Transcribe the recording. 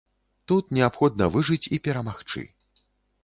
Тут неабходна выжыць і перамагчы.